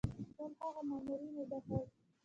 ټول هغه مامورین وبخښل.